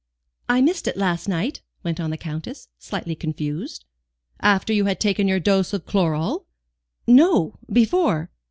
"I missed it last night," went on the Countess, slightly confused. "After you had taken your dose of chloral?" "No, before."